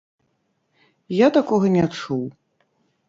Я такога не чуў.